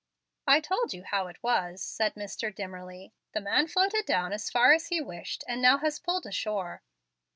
"I told you how it was," said Mr. Dimmerly. "The man floated down as far as he wished, and now has pulled ashore."